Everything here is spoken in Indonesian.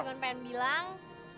gue cuma pengen bilang